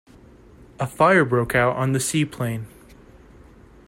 A fire broke out on the seaplane.